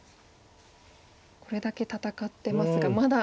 これだけ戦ってますがまだ。